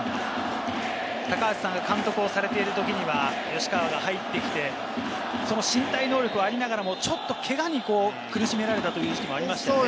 高橋さんが監督をされているときには吉川が入ってきて、その身体能力がありながらも、ちょっとけがに苦しめられたという時期もありましたね。